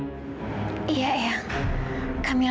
jadilah istri yang bisa menenteramkan hati kamu